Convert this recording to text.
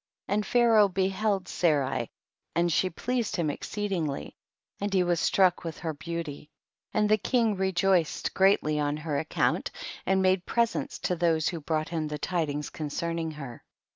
15. And Pharaoh beheld Sarai and she pleased him exceedingly, and he was struck with her beauty, and the king rejoiced greatly on her account, and made presents to those who brought him the tidings concerning her.